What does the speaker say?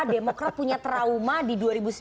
demokrat punya trauma di dua ribu sembilan belas